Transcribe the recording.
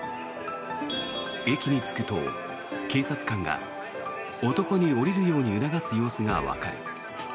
駅に着くと警察官が男に降りるように促す様子がわかる。